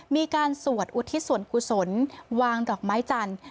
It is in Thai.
มีการสวดอุทิศส่วนกุศลวางดอกไม้จันทร์